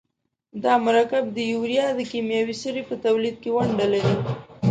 دا مرکب د یوریا د کیمیاوي سرې په تولید کې ونډه لري.